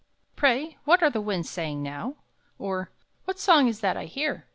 "Pray, what are the winds saying now?" or "What song is that I hear?"